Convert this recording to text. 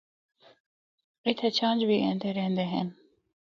اِتھا چَھنچ بھی ایندے رہندے ہن۔